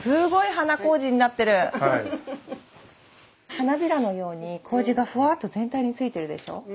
花びらのようにこうじがふわっと全体についてるでしょ？